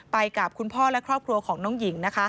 ไปกับคุณพ่อและครอบครัวของน้องหญิง